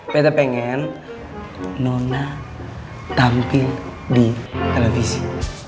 bete pengen nona tampil di televisi